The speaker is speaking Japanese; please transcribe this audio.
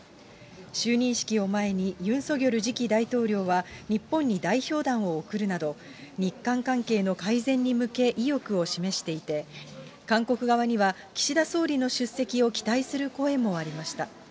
就任式を前に、ユン・ソギョル次期大統領は、日本に代表団を送るなど、日韓関係の改善に向け、意欲を示していて、韓国側には、岸田総理の出席を期待する声もありました。